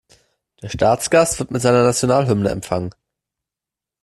Der Staatsgast wird mit seiner Nationalhymne empfangen.